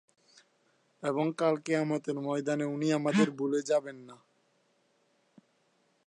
তার অন্যতম উল্লেখযোগ্য শিষ্য ছিলেন গ্লিং-রাস-পা-পে-মা-র্দো-র্জে।